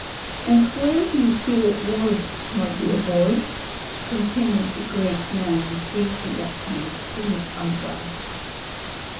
"And where do you feel it worst, my dear boy ?" continued the great man, gazing at him through his eyeglass.